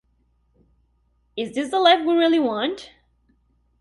Is This The Life We Really Want?